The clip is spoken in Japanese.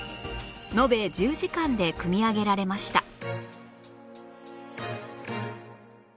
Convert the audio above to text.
延べ１０時間で組み上げられました